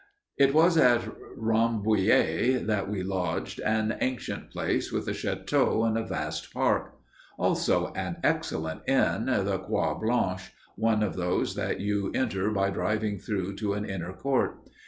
It was at Rambouillet that we lodged, an ancient place with a château and a vast park; also, an excellent inn the Croix Blanche one of those that you enter by driving through to an inner court.